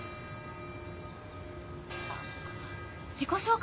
あっ自己紹介